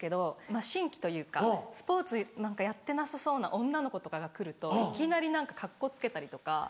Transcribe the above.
まぁ新規というかスポーツやってなさそうな女の子とかが来るといきなりカッコつけたりとか。